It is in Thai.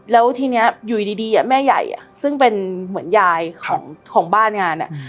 แล้วทีนี้อยู่ดีแม่ใหญ่ซึ่งเป็นเหมือนยายของบ้านงาน